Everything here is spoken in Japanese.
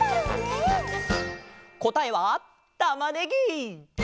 こたえはたまねぎ！